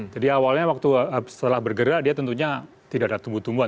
jadi awalnya setelah bergerak dia tentunya tidak ada tumbuh tumbuhan